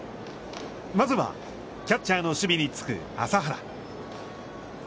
まずは、キャッチャーの守備につく麻原。